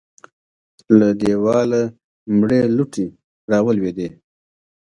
له دېواله مړې لوټې راولوېدې.